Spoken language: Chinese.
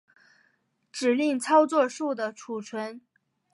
指令操作数的存储